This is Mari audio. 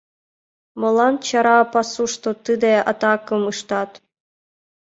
Молан чара пасушто тиде атакым ыштат?